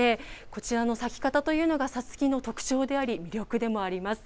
こちらの咲き方というのが、さつきの特徴であり、魅力でもあります。